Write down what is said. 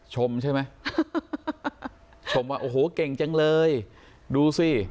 ชมใช่ไหมชมว่าโอ้โหเก่งจังเลยดูสิ